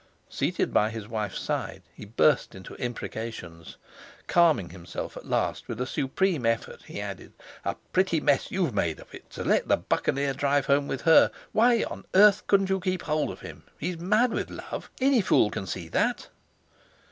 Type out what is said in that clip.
Seated by his wife's side, he burst into imprecations. Calming himself at last with a supreme effort, he added: "A pretty mess you've made of it, to let the Buccaneer drive home with her; why on earth couldn't you keep hold of him? He's mad with love; any fool can see that!"